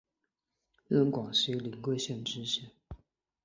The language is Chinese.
任广西临桂县知县。